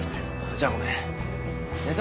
じゃあごめんネタ